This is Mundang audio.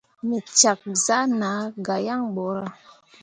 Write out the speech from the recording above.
Me cak zah na gah yaŋ ɓorah.